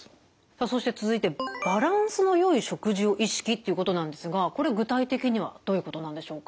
そして続いて「バランスの良い食事を意識」ということなんですがこれ具体的にはどういうことなんでしょうか？